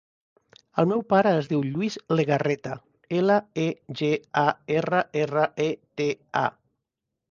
El meu pare es diu Lluís Legarreta: ela, e, ge, a, erra, erra, e, te, a.